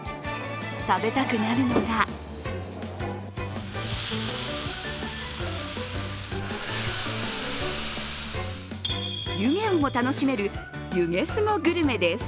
食べたくなるのが湯気をも楽しめる、湯気すごグルメです。